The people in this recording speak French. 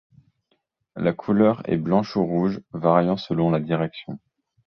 La couleur est blanche ou rouge, variant selon la direction.